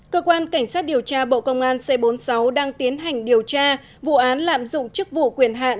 cơ quan cảnh sát điều tra bộ công an c bốn mươi sáu đang tiến hành điều tra vụ án lạm dụng chức vụ quyền hạn